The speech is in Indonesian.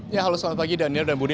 ya halo selamat pagi daniel dan budi